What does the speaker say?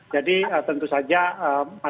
jadi tentu saja masyarakat perlu melakukan